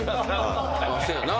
せやな。